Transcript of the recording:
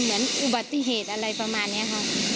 เหมือนอุบัติเหตุอะไรประมาณนี้ค่ะ